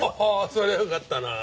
そりゃよかったな。